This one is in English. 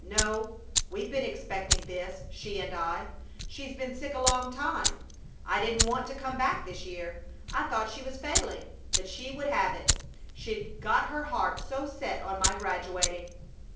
"No. We've been expecting this, she and I. She's been sick a long time. I didn't want to come back this year! I thought she was failing! But she would have it! She'd got her heart so set on my graduating!"